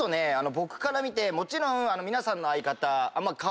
僕から見てもちろん皆さんの相方顔